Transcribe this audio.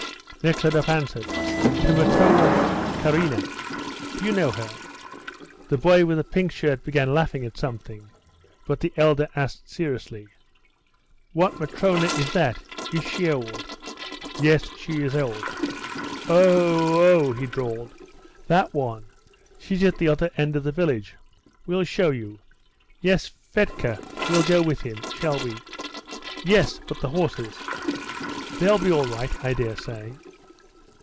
Nekhludoff answered: "To Matrona Kharina. Do you know her?" The boy with the pink shirt began laughing at something; but the elder asked, seriously: "What Matrona is that? Is she old?" "Yes, she is old." "Oh oh," he drawled; "that one; she's at the other end of the village; we'll show you. Yes, Fedka, we'll go with him. Shall we?" "Yes, but the horses?" "They'll be all right, I dare say."